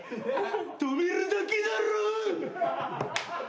止めるだけだろぉ！